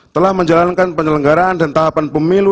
telah menjalankan penyelenggaraan dan tahapan pemilu